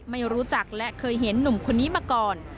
ไม่รู้จักและเคยเห็นหนุ่มคนนี้มาก่อน